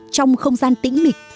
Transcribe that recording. trong không gian tĩnh mịch